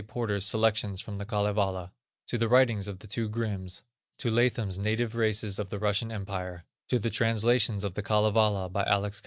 Porter's Selections from the Kalevala; to the writings of the two Grimms; to Latham's Native Races of the Russian Empire; to the translations of the Kalevala by Alex.